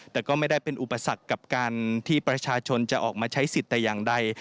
แต่ก็ไม่ได้เป็นอุปสรรคกับการที่ประชาชนจะออกมาใช้สิทธิ์แต่อย่างใด